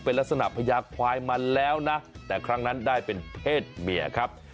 เป็นลักษณะพญาควายมาแล้วนะแต่ครั้งนั้นได้เป็นเพศเมียครับ